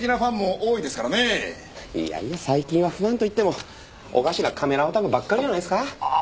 いやいや最近はファンといってもおかしなカメラオタクばっかりじゃないですか？